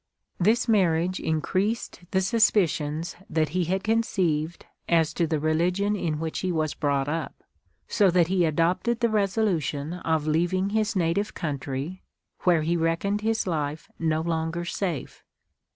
..." This marriage increased the suspicions that he had con ceived as to the religion in which he was brought up, so that he adopted the resolution of leaving his native country, Avhere he reckoned his life no longer safe.